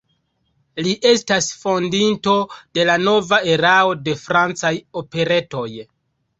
Li estas fondinto de la nova erao de francaj operetoj.